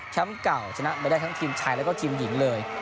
เก่าชนะไปได้ทั้งทีมชายแล้วก็ทีมหญิงเลย